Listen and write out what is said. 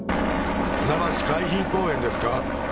船橋海浜公園ですか？